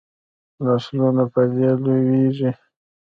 نسلونه په دې لویږي.